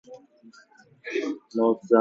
What a beauty!